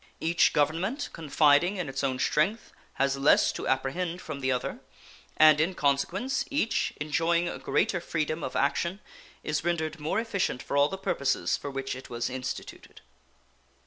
Each Government, confiding in its own strength, has less to apprehend from the other, and in consequence each, enjoying a greater freedom of action, is rendered more efficient for all the purposes for which it was instituted.